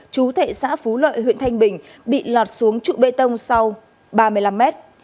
chú thệ xã phú lợi huyện thanh bình bị lọt xuống trụ bê tông sau ba mươi năm mét